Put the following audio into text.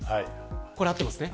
これ、合ってますね。